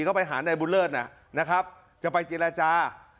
ก็ไปหานายบุญเลิศนะครับจะไปเจรจา